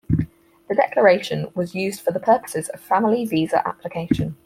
The Declaration was used for the purposes of family visa application.